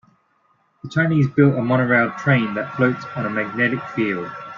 The Chinese built a monorail train that floats on a magnetic field.